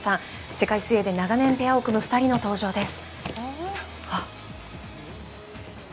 世界水泳で長年ペアを組む２人の登場です。